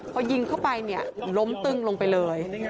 พอยิงเข้าไปเนี่ยล้มตึ้งลงไปเลย